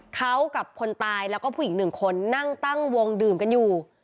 เขากับคนตายแล้วก็ผู้หญิงหนึ่งคนนั่งตั้งวงดื่มกันอยู่